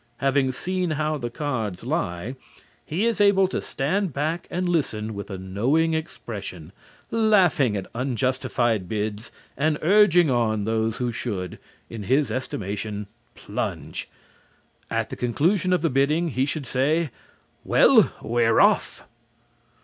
Having seen how the cards lie, he is able to stand back and listen with a knowing expression, laughing at unjustified bids and urging on those who should, in his estimation, plunge. At the conclusion of the bidding he should say: "Well, we're off!"